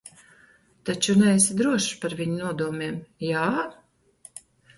Taču neesi drošs par viņu nodomiem, jā?